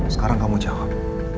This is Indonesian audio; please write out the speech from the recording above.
sekarang kamu jawab